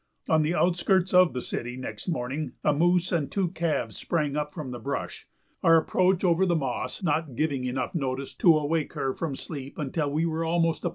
On the outskirts of the "city" next morning a moose and two calves sprang up from the brush, our approach over the moss not giving enough notice to awake her from sleep until we were almost upon her.